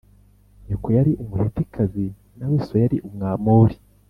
Nyoko yari Umuhetikazi, na we so yari Umwamori